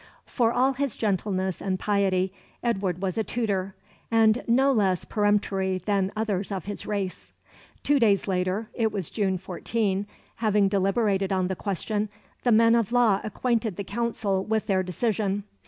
For all his gentleness and piety, Edward was a Tudor, and no less peremptory than others of his race. Two days later it was June 14 having deliberated on the question, the men of law acquainted the Council with their decision.